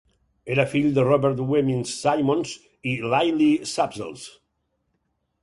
Era fill de Robert Wemyss Symonds i Lily Sapzells.